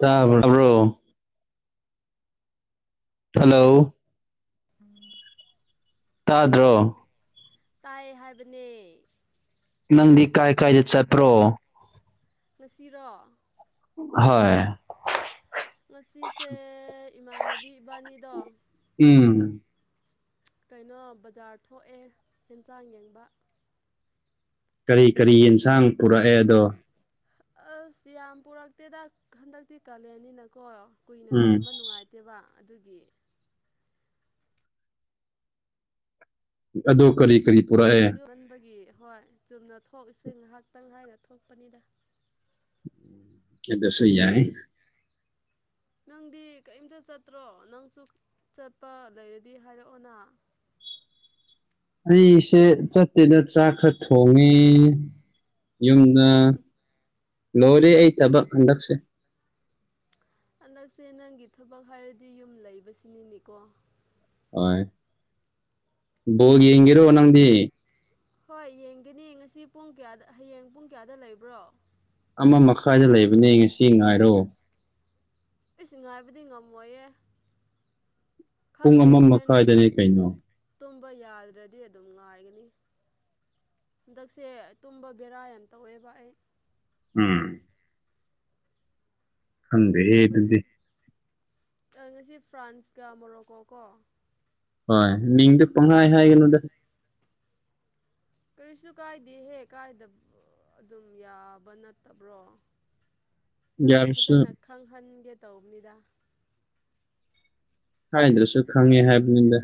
ꯇꯥꯕꯔꯣ ꯇꯥꯕꯔꯣ ꯍꯜꯂꯣ ꯎꯝ ꯇꯥꯗ꯭ꯔꯣ ꯇꯥꯏ ꯍꯥꯏꯕꯅꯦ ꯅꯪꯗꯤ ꯀꯥꯏ ꯀꯥꯏꯗ ꯆꯠꯄ꯭ꯔꯣ ꯉꯁꯤꯔꯣ ꯍꯣꯏ ꯉꯁꯤꯁꯦ ꯏꯃꯥꯟꯅꯕꯤ ꯏꯕꯥꯅꯤꯗꯣ ꯎꯝ ꯀꯩꯅꯣ ꯕꯖꯥꯔ ꯊꯣꯛꯑꯦ ꯍꯟꯁꯥꯡ ꯌꯦꯡꯕ ꯀꯔꯤ ꯀꯔꯤ ꯌꯦꯟꯁꯥꯡ ꯄꯨꯔꯛꯑꯦ ꯑꯗꯣ ꯑꯁ ꯌꯥꯝ ꯄꯨꯔꯛꯇꯦꯗ ꯍꯟꯗꯛꯇꯤ ꯀꯥꯂꯦꯟꯅꯤꯅꯀꯣ ꯀꯨꯏꯅ ꯎꯝ ꯊꯝꯕ ꯅꯨꯡꯉꯥꯏꯇꯦꯕ ꯑꯗꯨꯒꯤ ꯑꯗꯨ ꯀꯔꯤ ꯀꯔꯤ ꯄꯨꯔꯛꯑꯦ ꯒꯨꯢꯃꯥꯟꯕꯒꯤ ꯍꯣꯏ ꯆꯨꯝꯅ ꯊꯣꯛꯏꯁꯦ ꯉꯥꯏꯍꯥꯛꯇꯪ ꯍꯥꯏꯔ ꯊꯣꯛꯄꯅꯤꯗ ꯀꯤꯗꯁꯨ ꯌꯥꯏ ꯅꯪꯗꯤ ꯀꯔꯤꯝꯇ ꯆꯠꯇ꯭ꯔꯣ ꯅꯪꯁꯨ ꯆꯠꯄ ꯂꯩꯔꯗꯤ ꯍꯥꯏꯔꯛꯑꯣꯅ ꯑꯩꯁꯦ ꯆꯠꯇꯦꯗ ꯆꯥꯛ ꯈꯔ ꯊꯣꯡꯉꯤ ꯌꯨꯝ ꯅ ꯂꯣꯏꯔꯦ ꯑꯩ ꯊꯕꯛ ꯍꯟꯗꯛꯁꯦ ꯍꯟꯗꯛꯁꯦ ꯅꯪꯒꯤ ꯊꯕꯛ ꯍꯥꯏꯔꯗꯤ ꯌꯨꯝ ꯂꯩꯕꯁꯤꯅꯤꯅ‍ꯦꯀꯣ ꯍꯣꯏ ꯕꯣꯜ ꯌꯦꯡꯒꯦꯔꯣ ꯅꯪꯗꯤ ꯍꯣꯏ ꯌꯦꯡꯒꯅꯤ ꯉꯁꯤ ꯄꯨꯡ ꯀꯌꯥꯗ ꯍꯌꯦꯡ ꯄꯨꯡ ꯀꯌꯥꯗ ꯂꯩꯕ꯭ꯔꯣ ꯑꯃ ꯃꯈꯥꯏꯗ ꯂꯩꯕꯅꯦ ꯉꯁꯤ ꯉꯥꯏꯔꯣ ꯏꯁ ꯉꯥꯏꯕꯗꯤ ꯉꯝꯃꯣꯏꯌꯦ ꯄꯨꯡ ꯈꯪꯗꯦ ꯑꯃ ꯍꯣꯔꯦꯟ ꯃꯈ꯭ꯋꯥꯏꯗꯅꯦ ꯀꯩꯅꯣ ꯇꯨꯝꯕ ꯌꯥꯗ꯭ꯔꯗꯤ ꯑꯗꯨꯝ ꯉꯥꯏꯒꯅꯤ ꯍꯟꯗꯛꯁꯦ ꯇꯨꯝꯕ ꯕꯦꯔꯥ ꯌꯥꯝ ꯇꯧꯑꯦꯕ ꯑꯩ ꯎꯝ ꯈꯪꯗꯦꯍꯦ ꯌꯦꯡꯕ ꯑꯗꯨꯗꯤ ꯉꯁꯤ ꯐ꯭ꯔꯥꯟꯁꯀ ꯃꯣꯔꯣꯀꯣ ꯀꯣ ꯍꯣꯏ ꯃꯤꯗꯤ ꯄꯪꯍꯥꯏ ꯍꯥꯏꯒꯅꯨꯗ ꯀꯔꯤꯁꯨ ꯀꯥꯏꯗꯦꯍꯦ ꯀꯥꯏꯗꯕ ꯑꯗꯨꯝ ꯌꯥꯕ ꯅꯠꯇꯕ꯭ꯔꯣ ꯅꯪꯕꯨ ꯌꯥꯔꯁꯨ ꯐꯖꯅ ꯈꯪꯍꯟꯒꯦ ꯇꯧꯕꯅꯤꯗ ꯍꯥꯏꯗ꯭ꯔꯁꯨ ꯈꯪꯉꯦ ꯍꯥꯏꯕꯅꯤꯗ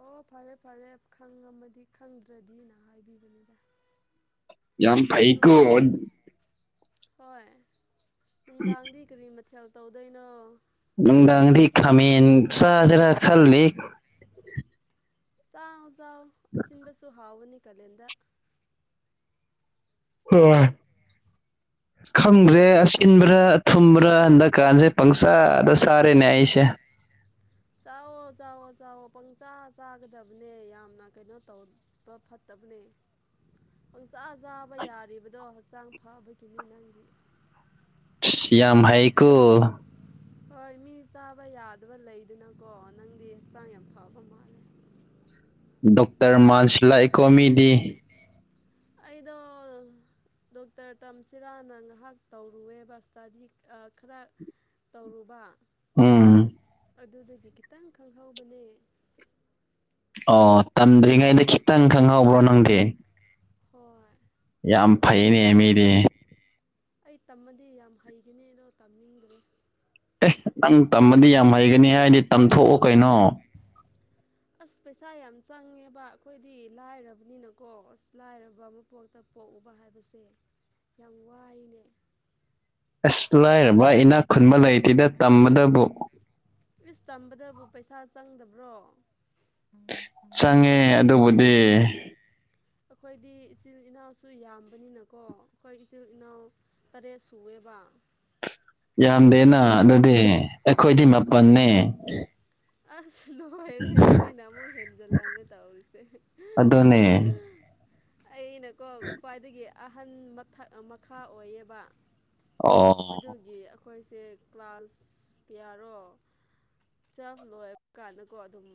ꯑꯣ ꯐꯔꯦ ꯐꯔꯦ ꯈꯪꯝꯃꯗꯤ ꯈꯪꯗ꯭ꯔꯗꯤꯅ ꯍꯥꯏꯕꯤꯕꯅꯤꯗ ꯌꯥꯝ ꯐꯩ ꯀꯣ ꯍꯣꯏ ꯅꯨꯡꯗꯥꯡꯗꯤ ꯀꯔꯤ ꯃꯊꯦꯜ ꯇꯧꯗꯣꯏꯅꯣ ꯅꯨꯡꯗꯥꯡꯗꯤ ꯈꯃꯟ ꯁꯥꯁꯤꯔ ꯈꯜꯂꯤ ꯆꯥꯎ ꯆꯥꯎ ꯑꯁꯤꯟꯕꯁꯨ ꯍꯥꯎꯕꯅꯤ ꯀꯥꯂꯦꯟꯗ ꯍꯣꯏ ꯈꯪꯗ꯭ꯔꯦ ꯑꯁꯤꯟꯕ꯭ꯔꯥ ꯊꯨꯝꯕ꯭ꯔ ꯄ꯭ꯔꯥ ꯍꯟꯗꯛꯀꯥꯟꯁꯦ ꯄꯪꯁꯥꯗ ꯆꯔ‌ꯦꯅ‌ꯦ ꯑꯩꯁ‌ꯦ ꯆꯥꯎꯑꯣ ꯆꯥꯎꯑꯣ ꯆꯥꯎꯑꫭ ꯄꯪꯆꯥꯥ ꯆꯥꯒꯗꯕꯅꯦ ꯌꯥꯝꯅ ꯀꯩꯅꯣ ꯇꯧ ꯐꯠꯇꯕꯅꯦ ꯄꯪꯆꯥ ꯆꯥꯕ ꯌꯥꯔꯤꯕꯗꯣ ꯍꯛꯆꯥꯡ ꯐꯕꯒꯤꯅꯤ ꯅꯪꯒꯤ ꯏꯁ ꯌꯥꯝ ꯍꯩꯀꫭ ꯍꯣꯏ ꯃꯤ ꯆꯥꯕ ꯌꯥꯗꯕ ꯂꯩꯗꯅꯀꯣ ꯅꯪꯗꯤ ꯍꯛꯆꯥꯡ ꯌꯥꯝ ꯐꯕ ꯃꯥꯜꯂꯦ ꯗꯣꯛꯇꯔ ꯃꯥꯟꯁꯤꯂꯛꯑꯦꯀꫭ ꯃꯤꯗꯤ ꯑꯩꯗꯣ ꯗꯣꯛꯇꯔ ꯇꯝꯁꯤꯔꯥꯅ ꯉꯥꯏꯍꯥꯛ ꯇꯧꯔꯨꯑꯦꯕ ꯏꯁꯇꯗꯤ ꯈꯔ ꯇꯧꯔꯨꯕ ꯎꯝ ꯑꯗꯨꯗꯨꯒꯤ ꯈꯤꯇꯪ ꯈꯪꯍꯧꯕꯅꯦ ꯑꯣ ꯇꯝꯗ꯭ꯔꯤꯉꯩꯗ ꯈꯤꯇꯪ ꯈꯪꯍꯧꯕ꯭ꯔꯣ ꯅꯪꯗꯤ ꯍꯣꯏ ꯌꯥꯝ ꯐꯩꯅꯦ ꯃꯤꯗꯤ ꯑꯩ ꯇꯝꯃꯗꯤ ꯌꯥꯝ ꯍꯩꯒꯅꯤ ꯑꯗꯣ ꯇꯝꯅꯤꯡꯗ꯭ꯔꯦ ꯑꯦ ꯅꯪ ꯇꯝꯃꯗꯤ ꯌꯥꯝ ꯍꯩꯒꯅꯤ ꯍꯥꯏꯗꯤ ꯇꯝꯊꯣꯛꯑꯣ ꯀꯩꯅꯣ ꯑꯁ ꯄꯩꯁꯥ ꯌꯥꯝ ꯆꯪꯉꯦꯕ ꯑꯩꯈꯣꯏꯗꯤ ꯂꯥꯏꯔꯕꯅꯤꯅꯀꯣ ꯑꯁ ꯂꯥꯏꯔꯕ ꯃꯄꯣꯛꯇ ꯄꯣꯛꯎꯕ ꯍꯥꯏꯕꯁꯦ ꯌꯥꯝ ꯋꯥꯏꯅꯦ ꯑꯁ ꯂꯥꯏꯔꯕ ꯏꯅꯥꯛ ꯈꯨꯟꯕ ꯂꯩꯇꯦꯗ ꯇꯝꯕꯗꯕꯨ ꯏꯁ ꯇꯝꯕꯗꯕꯨ ꯄꯩꯁꯥ ꯆꯪꯗꯕ꯭ꯔꯣ ꯎ ꯆꯪꯉꯦ ꯑꯗꯨꯕꯨꯗꯤ ꯑꯩꯈꯣꯏꯗꯤ ꯏꯆꯤꯜ ꯏꯅꯥꯎꯁꯨ ꯌꯥꯝꯕꯅꯤꯅꯀꯣ ꯑꯩꯈꯣꯏ ꯏꯆꯤꯜ ꯏꯅꯥꯎ ꯇꯔꯦꯠ ꯁꯨꯑꯦꯕ ꯑꯩꯅ ꯌꯥꯝꯗꯦꯅ ꯑꯗꯨꯗꯤ ꯈ꯭ꯋꯥꯏꯗꯒꯤ ꯑꯩꯈꯣꯏꯗꯤ ꯍꯣꯏ ꯃꯄꯜꯅꯦ ꯑꯁ ꯅꯣꯏꯔꯦ ꯅꯣꯏꯅ ꯑꯃꯛ ꯍꯦꯠꯖꯂꯝꯂꯝꯃꯦ ꯇꯧꯔꯤꯁꯦ ꯎ [inaudible] ꯑꯩꯅꯀꯣ ꯈ꯭ꯋꯥꯏꯗꯒꯤ ꯑꯍꯟ ꯃꯊꯛ ꯃꯈꯥ ꯑꯣꯏꯌꯦꯕ ꯑꯣ ꯑꯗꯨꯒꯤ ꯑꯩꯈꯣꯏꯁꯦ ꯀ꯭ꯂꯥꯁ ꯀꯌꯥꯔꯣ ꯌꯦꯛꯖꯥꯝ ꯂꯣꯏꯕ ꯀꯥꯟꯗꯀꯣ ꯑꯗꯨꯝ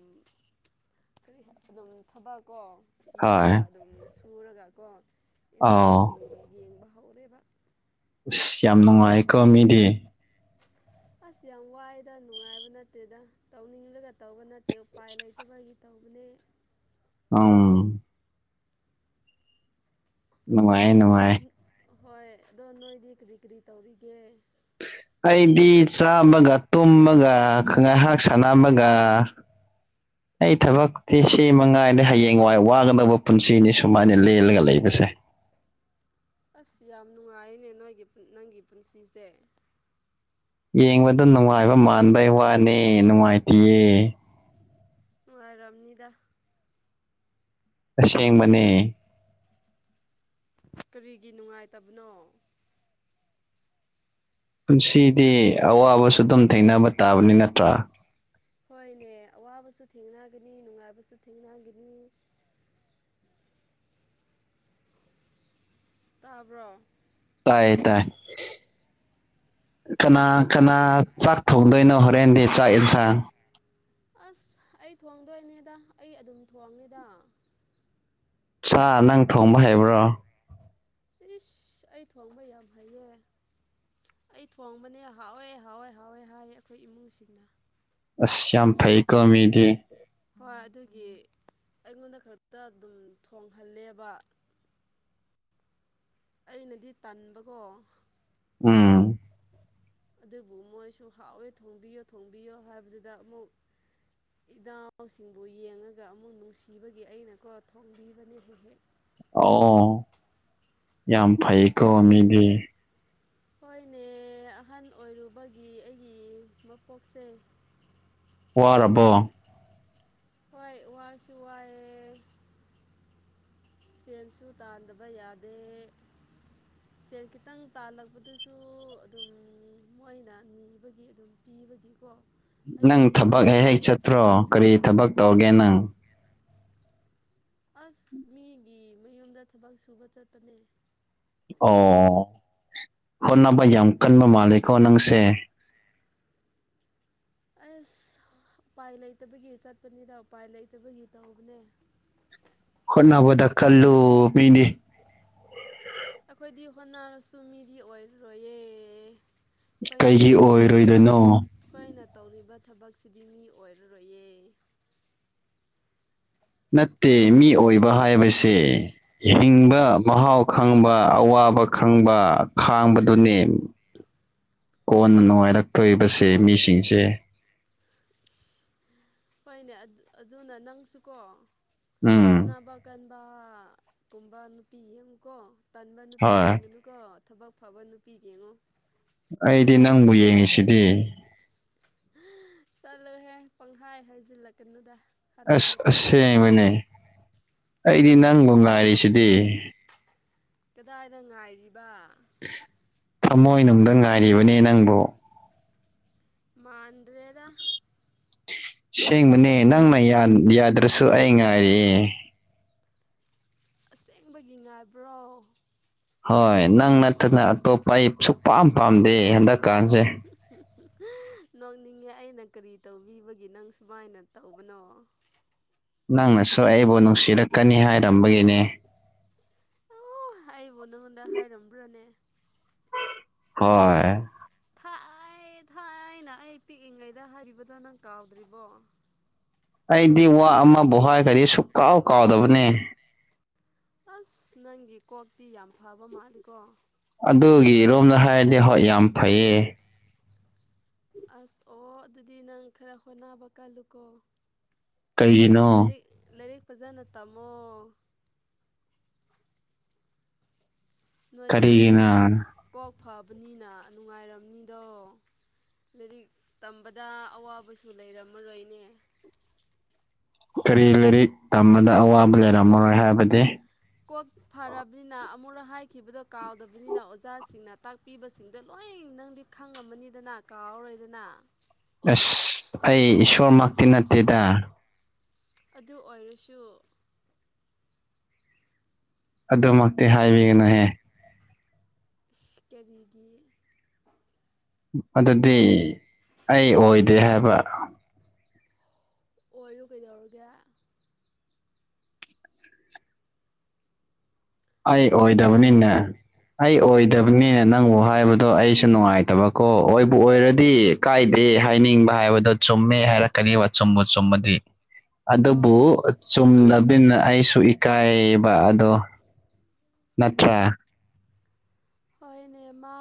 ꯀꯔꯤ ꯑꯗꯨꯝ ꯊꯕꯛ ꯀꯣ ꯍꯣꯏ ꯔꯤꯔꯒ ꯑꯗꯨꯝ ꯁꯨꯔꯒꯀꯣ ꯑꯥꯎ ꯏꯅꯥꯎꯁꯤꯡꯒꯤ ꯌꯦꯡꯕ ꯍꯧꯔꯦꯕ ꯑꯁ ꯌꯥꯝ ꯅꯨꯡꯉꯥꯏꯀꯣ ꯃꯤꯗꯤ ꯑꯁ ꯌꯥꯝ ꯋꯥꯏꯗ ꯅꯨꯡꯉꯥꯏꯕ ꯅꯠꯇꯦꯗ ꯇꯧꯅꯤꯡꯂꯒ ꯇꯧꯕ ꯅꯠꯇꯦ ꯎꯄꯥꯏ ꯂꯩꯇꯕꯒꯤ ꯇꯧꯕꯅꯦ ꯑꯝ ꯅꯨꯡꯉꯥꯏ ꯅꯨꯡꯉꯥꯏ ꯍꯣꯏ ꯑꯗꯣ ꯅꯣꯏꯗꯤ ꯀꯔꯤ ꯀꯔꯤ ꯇꯧꯔꯤꯒꯦ ꯑꯩꯗꯤ ꯆꯥꯕꯒ ꯇꯨꯝꯕꯒ ꯉꯥꯏꯍꯥꯛ ꯁꯥꯟꯅꯕꯒ [unintelligible] ꯑꯩ ꯊꯕꯛꯇꯤ ꯁꯤ ꯃꯉꯥꯏꯗ ꯍꯌꯦꯡꯋꯥꯏ ꯋꯥꯒꯗꯧꯕ ꯄꯨꯟꯁꯤꯅꯤ ꯁꯨꯃꯥꯏꯅ ꯂꯦꯜꯂꯒ ꯂꯩꯕꯁꯦ ꯑꯁ ꯌꯥꯝ ꯅꯨꯡꯉꯥꯏꯅꯦ ꯅꯣꯏꯒꯤ ꯅꯪꯒꯤ ꯄꯨꯟꯁꯤꯁꯦ ꯌꯦꯡꯕꯗ ꯅꯨꯡꯉꯥꯏꯕ ꯃꯥꯟꯕꯩ ꯋꯥꯅꯦ ꯅꯨꯡꯉꯥꯏꯇꯦꯌꯦ ꯥꯅꯨꯡꯉꯥꯢꯔꯝꯅꯤꯗ ꯑꯁꯦꯡꯕꯅꯦ ꯀꯔꯤꯒꯤ ꯅꯨꯡꯉꯥꯏꯇꯕꯅꯣ ꯄꯨꯟꯁꯤꯗꯤ ꯑꯋꯥꯕꯁꯨ ꯑꯗꯨꯝ ꯊꯦꯡꯅꯕ ꯇꯥꯕꯅꯤ ꯅꯠꯇ꯭ꯔꯥ ꯍꯣꯏꯅꯦ ꯑꯋꯥꯕꯁꯨ ꯊꯦꯡꯅꯒꯅꯤ ꯅꯨꯡꯉꯥꯏꯕꯁꯨ ꯊꯦꯡꯅꯒꯅꯤ ꯇꯥꯕ꯭ꯔꯣ ꯇꯥꯏ ꯇꯥꯏ ꯀꯅꯥ ꯀꯅꯥ ꯆꯥꯛ ꯊꯣꯡꯗꯣꯏꯅꯣ ꯍꯣꯔꯦꯟꯗꯤ ꯆꯥꯛ ꯌꯦꯟꯁꯥꯡ ꯑꯁ ꯑꯩ ꯊꯣꯡꯗꯣꯏꯅꯦꯗ ꯑꯩ ꯑꯗꯨꯝ ꯊꯣꯡꯉꯦꯗ ꯑꯆꯥ ꯅꯪ ꯊꯣꯡꯕ ꯍꯩꯕ꯭ꯔꯣ ꯏꯁ ꯑꯩ ꯊꯣꯡꯕ ꯌꯥꯝ ꯍꯩꯌꯦ ꯑꯩ ꯊꯣꯡꯕꯅꯦ ꯍꯥꯎꯋꯦ ꯍꯥꯎꯋꯦ ꯍꯥꯎꯋꯦ ꯍꯥꯏꯌꯦ ꯑꯩꯈꯣꯏ ꯏꯃꯨꯡꯁꯤꯡꯅ ꯑꯁ ꯌꯝ ꯐꯩ ꯀꯣ ꯃꯤꯗꯤ ꯍꯣꯏ ꯑꯗꯨꯒꯤ ꯑꯩꯉꯣꯟꯗ ꯈꯛꯇ ꯑꯗꯨꯝ ꯊꯣꯡꯍꯜꯂꯦꯕ ꯑꯩꯅꯗꯤ ꯇꯟꯕꯀꯣ ꯎꯝ ꯑꯗꯨꯕꯨ ꯃꯣꯏꯁꯨ ꯍꯥꯎꯋꯦ ꯊꯣꯡꯕꯤꯌꯣ ꯊꯣꯡꯕꯤꯌꯣ ꯍꯥꯏꯕꯗꯨꯗ ꯑꯃꯨꯛ ꯏꯅꯥꯎꯁꯤꯡꯕꯨ ꯌꯦꯡꯉꯒ ꯑꯃꯨꯛ ꯅꯨꯡꯁꯤꯕꯒꯤ ꯑꯩꯅꯀꯣ ꯊꯣꯡꯕꯤꯕꯅꯦ ꯍꯦꯛ ꯍꯦꯛ ꯑꯣ ꯌꯥꯝ ꯐꯩꯀꯣ ꯃꯤꯗꯤ ꯍꯣꯏꯅꯦ ꯑꯍꯜ ꯑꯣꯏꯔꯨꯕꯒꯤ ꯑꯩꯒꯤ ꯃꯄꯣꯛꯁꯦ ꯋꯥꯔꯕꯣ ꯍꯣꯏ ꯋꯥꯁꯨ ꯋꯥꯏꯑꯦ ꯁꯦꯟꯁꯨ ꯇꯥꯟꯗꯕ ꯌꯥꯗꯦ ꯎ [unintelligible] ꯁꯦꯜ ꯈꯤꯇꯪ ꯇꯥꯜꯂꯛꯄꯗꯨꯁꯨ ꯑꯗꯨꯝ ꯃꯣꯏꯅ ꯅꯤꯕꯒꯤ ꯑꯗꯨꯝ ꯄꯤꯕꯗꯀꯣ ꯅꯪ ꯊꯕꯛ ꯍꯦꯛ ꯍꯦꯛ ꯆꯠꯇ꯭ꯔꯣ ꯀꯔꯤ ꯊꯕꯛ ꯇꯧꯒꯦ ꯅꯪ ꯑꯁ ꯃꯤꯒꯤ ꯃꯌꯨꯝꯗ ꯊꯕꯛ ꯁꯨꯕ ꯆꯠꯄꯅꯦ ꯑꯣ ꯍꯣꯅꯕ ꯌꯥꯝ ꯀꯟꯕ ꯃꯥꯜꯂꯤꯀꯣ ꯅꯪꯁꯦ ꯑꯁ ꯎꯄꯥꯏ ꯂꯩꯇꯕꯒꯤ ꯆꯠꯄꯅꯤꯗ ꯎꯄꯥꯏ ꯂꯩꯇꯕꯒꯤ ꯇꯧꯕꯅꯦ ꯍꯣꯠꯅꯕꯗ ꯈꯜꯂꯨ ꯃꯤꯗꯤ ꯑꯩꯈꯣꯏꯗꯤ ꯍꯣꯠꯅꯔꯁꯨ ꯃꯤꯗꯤ ꯑꯣꯏꯔꯔꯣꯏꯌꯦ ꯑꯩꯈꯣꯏꯅ ꯀꯩꯒꯤ ꯇꯧꯔꯤꯕ ꯊꯕꯛ ꯑꯣꯏꯔꯣꯏꯗꯣꯏꯅꯣ ꯁꯈꯣꯏꯅ ꯇꯧꯔꯤꯕ ꯊꯕꯛꯁꯤꯗꯤ ꯃꯤ ꯑꯣꯏꯔꯔꯣꯏꯌꯦ ꯅꯠꯇꯦ ꯃꯤ ꯑꯣꯏꯕ ꯍꯥꯏꯕꯁꯦ ꯍꯤꯡꯕ ꯎꯝ ꯃꯍꯥꯎ ꯈꯪꯕ ꯑꯋꯥꯕ ꯈꯪꯕ ꯈꯥꯡꯕꯗꯨꯅꯦ ꯀꯣꯟꯅ ꯅꯨꯡꯉꯥꯏꯔꯛꯇꯣꯕꯁꯦ ꯃꯤꯁꯤꯡꯁꯦ ꯑꯁ ꯍꯣꯏꯅꯦ ꯑꯗꯨꯅ ꯅꯪꯁꯨꯀꯣ ꯎꯝ ꯍꯣꯠꯅꯕ ꯀꯟꯕꯒꯨꯝꯕ ꯅꯨꯄꯤ ꯌꯦꯡꯉꯨꯀꯣ ꯇꯟꯕ ꯅꯨꯄꯤ ꯍꯣꯏ ꯌꯦꯡꯉꯨ ꯅꯨ ꯀꯣ ꯊꯕꯛ ꯐꯕ ꯅꯨꯄꯤ ꯌꯦꯡꯉꯣ ꯑꯩꯗꯤ ꯅꯪꯕꯨ ꯌꯦꯡꯉꯤꯁꯤꯗꯤ ꯆꯠꯂꯨꯍꯦ ꯄꯪꯍꯥꯏ ꯍꯥꯏꯖꯤꯜꯂꯛꯀꯅꯨꯗ ꯑꯁ ꯍꯔꯥꯎꯒꯦ ꯇꯧꯋꯤ ꯑꯁꯦꯡꯕꯅꯦ ꯑꯩꯗꯤ ꯅꯪꯕꯨ ꯉꯥꯏꯔꯤꯁꯤꯗꯤ ꯀꯗꯥꯏꯗ ꯉꯥꯏꯔꯤꯕ ꯊꯃꯣꯏ ꯅꯨꯡꯗ ꯉꯥꯏꯔꯤꯕꯅꯦ ꯅꯪꯕꯨ ꯃꯥꯟꯗ꯭ꯔꯦꯗ ꯁꯦꯡꯕꯅꯦ ꯅꯪꯅ ꯌꯥꯗ꯭ꯔꯁꯨ ꯑꯩ ꯉꯥꯏꯔꯤꯌꯦ ꯑꯁꯦꯡꯕꯒꯤ ꯉꯥꯏꯕ꯭ꯔꯣ ꯍꯣꯏ ꯅꯪ ꯅꯠꯇꯅ ꯑꯇꯣꯞꯄ ꯑꯩ ꯁꯨꯛꯄꯥꯝ ꯄꯥꯝꯗꯦ ꯍꯟꯗꯛꯀꯥꯟꯁꯦ ꯅꯣꯡꯅꯤꯡꯉꯦ ꯑꯩꯅ ꯀꯔꯤ ꯇꯧꯕꯤꯕꯒꯤ ꯅꯪ ꯁꯨꯃꯥꯏꯅ ꯇꯧꯕꯅꯣ ꯅꯪꯅꯁꯨ ꯑꯩꯕꯨ ꯅꯨꯡꯁꯤꯔꯛꯀꯅꯤ ꯍꯥꯏꯔꯝꯕꯒꯤꯅꯦ ꯍꯥꯏꯕꯨ ꯅꯉꯣꯟꯗ ꯍꯥꯏꯔꯝꯕ꯭ꯔꯅꯦ ꯍꯣꯏ ꯊꯥꯏ ꯊꯥꯏꯅ ꯑꯩ ꯄꯤꯛꯏꯉꯩꯗ ꯍꯥꯏꯈꯤꯕꯗꯣ ꯅꯪ ꯀꯥꯎꯗ꯭ꯔꯤꯕꯣ ꯑꯩꯗꯤ ꯋꯥ ꯑꯃꯕꯨ ꯍꯥꯏꯔꯈ꯭ꯔꯗꯤ ꯁꯨꯛꯀꯥꯎ ꯀꯥꯎꯗꯕꯅꯦ ꯑꯁ ꯅꯪꯒꯤ ꯀꯣꯛꯇꯤ ꯌꯥꯝ ꯐꯕ ꯃꯥꯜꯂꯤ ꯀꯣ ꯑꯗꯨꯒꯤꯔꯣꯝꯗ ꯍꯥꯏꯔꯗꯤ ꯍꯣꯏ ꯌꯥꯝ ꯐꯩꯌꯦ ꯑꯁ ꯑꯣ ꯑꯗꯨꯗꯤ ꯅꯪ ꯈꯔ ꯍꯣꯠꯅꯕ ꯀꯜꯂꯨꯀꯣ ꯀꯩꯒꯤꯅꯣ ꯂꯥꯏꯔꯤꯛ ꯂꯥꯏꯔꯤꯛ ꯐꯖꯅ ꯇꯝꯃꯣ ꯅꯣꯏꯗꯤ ꯀꯔꯤꯒꯤꯅ ꯀꯣꯛ ꯐꯕꯅꯤꯅ ꯅꯨꯡꯉꯥꯏꯔꯝꯅꯤꯗꯣ ꯂꯥꯏꯔꯤꯛ ꯇꯝꯕꯗ ꯑꯋꯥꯕꯁꯨ ꯂꯩꯔꯝꯃꯔꯣꯏꯅꯦ ꯀꯔꯤ ꯂꯥꯏꯔꯤꯛ ꯇꯝꯕꯗ ꯑꯋꯥꯕ ꯂꯩꯔꯝꯃꯔꯣꯏ ꯍꯥꯏꯕꯗꯤ ꯀꯣꯛ ꯐꯔꯕꯅꯤꯅ ꯑꯃꯨꯨꯔꯛ ꯍꯥꯏꯈꯤꯕꯗꯣ ꯀꯥꯎꯗꯕꯅꯤꯅ ꯑꯣꯖꯥꯁꯤꯡꯅ ꯇꯥꯛ ꯄꯤꯕꯁꯤꯡꯗꯣ ꯂꯣꯏ ꯅꯪꯗꯤ ꯈꯪꯉꯝꯃꯅꯤꯗꯅ ꯀꯥꯎꯔꯔꯣꯏꯗꯅ ꯑꯁ ꯑꯩ ꯏꯁꯣꯔꯃꯛꯇꯤ ꯅꯠꯇꯦꯗ ꯑꯗꯨ ꯑꯣꯏꯔꯁꯨ ꯑꯗꯨꯃꯛꯇꯤ ꯍꯥꯏꯕꯤꯒꯅꯨꯍꯦ ꯏꯁ ꯀꯔꯤꯒꯤ ꯑꯗꯨꯗꯤ ꯑꯩ ꯑꯣꯏꯗꯦ ꯍꯥꯏꯕ ꯑꯣꯢꯌꯨ ꯀꯩꯗꯧꯔꯒꯦ ꯑꯩ ꯄꯨꯡ ꯀꯌꯥ ꯑꯣꯏꯗꯕꯅꯤꯅꯦ ꯑꯩ ꯍꯣꯏ ꯑꯣꯏꯗꯕꯅꯤꯅꯦ ꯅꯪꯕꯨ ꯍꯥꯏꯕꯗꯨ ꯑꯗꯣ ꯑꯩꯁꯨ ꯅꯨꯡꯉꯥꯏꯇꯕꯀꯣ ꯑꯣꯏꯕꯨ ꯑꯣꯏꯔꯗꯤ ꯀꯥꯏꯗꯦ ꯍꯥꯏꯅꯤꯡꯕ ꯍꯥꯏꯕꯗꯣ ꯆꯨꯝꯃꯦ ꯍꯥꯏꯔ ꯀꯔꯤ ꯆꯨꯝꯕꯨ ꯆꯨꯝꯕꯗꯤ ꯑꯗꯨꯕꯨ ꯑꯣ ꯑꯆꯨꯝꯗꯕꯤꯅ ꯑꯩꯁꯨ ꯏꯀꯥꯏꯕ ꯑꯗꯣ ꯅꯠꯇ꯭ꯔ ꯍꯣꯏꯅꯦ ꯃꯥ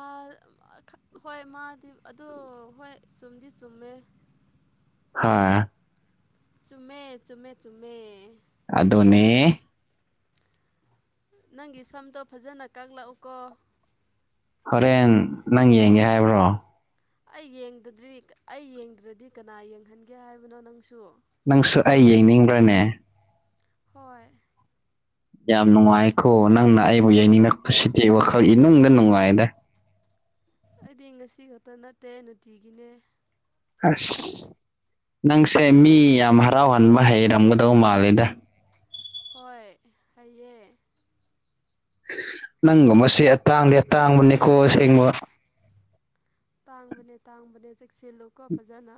ꯍꯣꯏ ꯃꯥꯗꯤ ꯑꯣ ꯍꯣꯏ ꯆꯨꯝꯗꯤ ꯆꯨꯝꯃꯦ ꯍꯥ ꯆꯨꯝꯃꯦ ꯆꯨꯝꯃꯦ ꯆꯨꯝꯃꯦ ꯑꯗꯨꯅꯦ ꯅꯪꯒꯤ ꯁꯝꯗꯣ ꯐꯖꯅ ꯀꯛꯂꯛꯎꯀꯣ ꯍꯣꯔꯦꯟ ꯅꯪ ꯌꯦꯡꯒꯦ ꯍꯥꯏꯕ꯭ꯔꯣ ꯑꯩ ꯌꯦꯡꯗꯗ꯭ꯔꯤ ꯑꯩ ꯌꯦꯡꯗ꯭ꯔꯗꯤ ꯀꯅꯥ ꯌꯦꯡꯍꯟꯒꯦ ꯍꯥꯏꯕꯅꯣ ꯅꯪꯁꯨ ꯅꯪꯁꯨ ꯑꯩ ꯌꯦꯡꯅꯤꯡꯕ꯭ꯔꯅꯦ ꯍꯣꯏ ꯌꯥꯝ ꯅꯨꯡꯉꯥꯏꯀꯣ ꯅꯪꯅ ꯑꯩꯕꯨ ꯌꯩꯅꯤꯡꯉꯛꯄꯁꯤꯗꯤ ꯋꯥꯈꯜ ꯏꯅꯨꯡꯗ ꯅꯨꯡꯉꯥꯏꯗ ꯑꯩꯗꯤ ꯉꯁꯤ ꯈꯛꯇ ꯅꯠꯇꯦ ꯅꯨꯡꯇꯤꯒꯤꯅꯦ ꯑꯁ ꯅꯪꯁꯦ ꯃꯤ ꯌꯥꯝ ꯍꯔꯥꯎꯍꯟꯕ ꯍꯩꯔꯝꯒꯗꯧ ꯃꯥꯜꯂꯦꯗ ꯍꯣꯏ ꯍꯩꯌꯦ ꯅꯪꯒꯨꯝꯕꯁꯦ ꯑꯇꯥꯡꯗꯤ ꯑꯇꯥꯡꯕꯅꯤꯀꯣ ꯑꯁꯦꯡꯕ ꯇꯥꯡꯕꯅꯦ ꯇꯥꯡꯕꯅꯦ ꯆꯦꯛꯁꯤꯜꯂꯨꯀꯣ ꯐꯖꯅ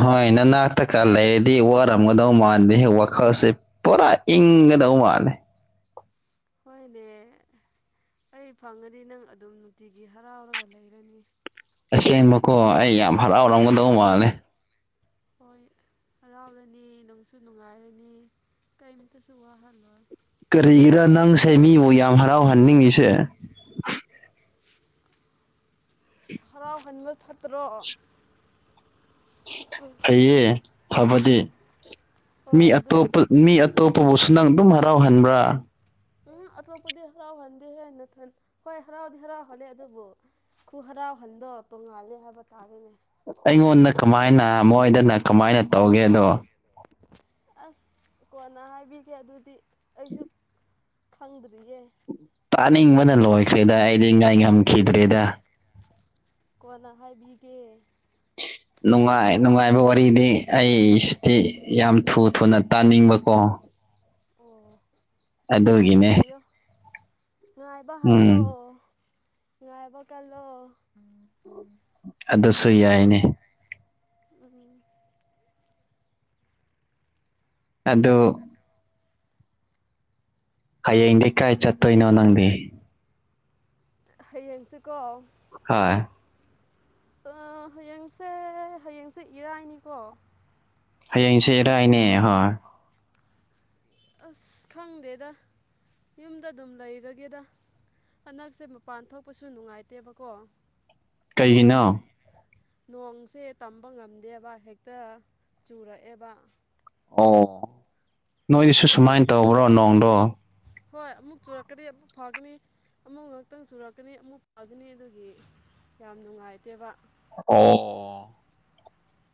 ꯍꯣꯏ ꯅꯅꯥꯛꯇꯀ ꯂꯩꯔꯗꯤ ꯋꯥꯔꯝꯒꯗꯧ ꯃꯥꯟꯗꯦꯍꯦ ꯋꯥꯈꯜꯁꯦ ꯄꯨꯔꯥ ꯏꯪꯒꯗꯧ ꯃꯥꯜꯂꯦ ꯍꯣꯏꯅꯦ ꯑꯩ ꯐꯪꯉꯗꯤ ꯅꯪ ꯑꯗꯨꯝ ꯅꯨꯡꯇꯤꯒꯤ ꯍꯔꯥꯎꯔꯒ ꯂꯩꯔꯅꯤ ꯑꯁꯦꯡꯕꯀꯣ ꯑꯩ ꯌꯥꯝ ꯍꯔꯥꯎꯔꯝꯒꯗꯧ ꯃꯥꯜꯂꯦ ꯍꯣꯏ ꯍꯔꯥꯎꯔꯅꯤ ꯅꯨꯡꯁꯨ ꯅꯨꯡꯉꯥꯏꯔꯅꯤ ꯀꯔꯤꯝꯇꯁꯨ ꯋꯥꯍꯜꯂꯣꯏ ꯀꯔꯤꯒꯤꯔ ꯅꯪꯁꯦ ꯃꯤꯕꯨ ꯌꯥꯝ ꯍꯔꯥꯎꯍꯟꯅꯤꯡꯉꯤꯁꯦ ꯍꯔꯥꯎꯍꯟꯕ ꯐꯠꯇ꯭ꯔꯣ ꯎꯝ ꯐꯩꯌꯦ ꯐꯕꯗꯤ ꯃꯤ ꯍꯣꯏ ꯑꯗꯨ ꯑꯇꯣꯞꯄ ꯃꯤ ꯑꯇꯣꯞꯄꯕꯨꯁꯨ ꯅꯪ ꯑꯗꯨꯝ ꯍꯔꯥꯎꯍꯟꯕ꯭ꯔꯥ ꯎꯝ ꯑꯇꯣꯞꯄꯗꯤ ꯍꯔꯥꯎꯍꯟꯗꯦꯍꯦ ꯅꯊꯟ ꯍꯣꯏ ꯍꯔꯥꯎꯗꯤ ꯍꯔꯥꯎꯍꯜꯂꯦ ꯑꯗꯨꯕꯨ ꯈꯨ ꯍꯔꯥꯎꯍꯟꯗꯣ ꯇꯣꯡꯉꯥꯜꯂꯦ ꯍꯥꯏꯕ ꯇꯥꯔꯦꯅꯦ ꯑꯩꯉꯣꯟꯗ ꯀꯃꯥꯏꯅ ꯃꯣꯏꯗꯅ ꯀꯃꯥꯏꯅ ꯇꯧꯒꯦꯗꯣ ꯑꯁ ꯀꯣꯟꯅ ꯍꯥꯏꯕꯤꯒꯦ ꯑꯗꯨꯗꯤ ꯑꯩꯁꯨ ꯈꯪꯗ꯭ꯔꯤꯌꯦ ꯇꯥꯅꯤꯡꯕꯅ ꯂꯣꯏꯈ꯭ꯔꯦꯗ ꯑꯩꯗꯤ ꯉꯥꯏ ꯉꯝꯈꯤꯗ꯭ꯔꯦꯗ ꯀꯣꯟꯅ ꯍꯥꯏꯕꯤꯒꯦ ꯅꯨꯡꯉꯥꯏ ꯅꯨꯡꯉꯥꯏꯕ ꯋꯥꯔꯤꯗꯤ ꯑꯩꯁꯤꯗꯤ ꯌꯥꯝ ꯊꯨ ꯊꯨꯅ ꯇꯥꯅꯤꯡꯕꯀꯣ ꯑꯣ ꯉꯥꯏꯕ ꯑꯗꯨꯒꯤꯅꯦ ꯍꯩꯌꯣ ꯉꯥꯏꯕ ꯍꯩꯌꯣ ꯎꯝ ꯉꯥꯏꯕ ꯀꯂꯣ ꯑꯗꯨꯁꯨ ꯌꯥꯏꯅꯦ ꯎꯝ ꯑꯗꯣ ꯍꯌꯦꯡꯗꯤ ꯀꯥꯏ ꯆꯠꯇꯣꯏꯅꯣ ꯅꯪꯗꯤ ꯍꯥꯌꯦꯡꯁꯦꯀꯣ ꯍꯣꯏ ꯑ ꯍꯌꯦꯡꯁꯦ ꯍꯌꯦꯡꯁꯦ ꯏꯔꯥꯏꯅꯤꯀꯣ ꯍꯌꯦꯡꯁꯦ ꯏꯔꯥꯏꯅꯦ ꯍꯣꯏ ꯑꯁ ꯈꯪꯗꯦꯗ ꯌꯨꯝꯗ ꯑꯗꯨꯝ ꯂꯩꯔꯒꯦꯗ ꯍꯟꯗꯛꯁꯦ ꯃꯄꯥꯟ ꯊꯣꯛꯄꯁꯨ ꯅꯨꯡꯉꯥꯏꯇꯦꯕꯀꯣ ꯀꯩꯒꯤꯅꯣ ꯅꯣꯡꯁꯦ ꯇꯝꯕ ꯉꯝꯗꯦꯕ ꯍꯦꯛꯇ ꯆꯨꯔꯛꯑꯦꯕ ꯑꯣ ꯅꯣꯏꯒꯤꯁꯨ ꯑꯗꯨꯒꯤ ꯁꯨꯃꯥꯏꯅ ꯇꯧꯕ꯭ꯔꯣ ꯅꯣꯡꯗꯣ ꯍꯣꯏ ꯑꯃꯨꯛ ꯆꯨꯔꯛꯀꯅꯤ ꯑꯃꯨꯛ ꯐꯒꯅꯤ ꯑꯃꯨꯛ ꯉꯥꯛꯇꯪ ꯆꯨꯔꯛꯀꯅꯤ ꯑꯃꯨꯛ ꯐꯒꯅꯤ ꯑꯗꯨꯒꯤ ꯌꯥꯝ ꯅꯨꯡꯉꯥꯏꯇꯦꯕ ꯑꯣ